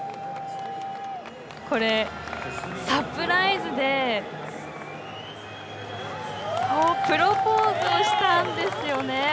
サプライズでプロポーズをしたんですよね。